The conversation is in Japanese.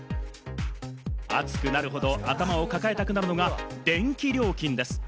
暑くなるほど頭を抱えたくなるのが電気料金です。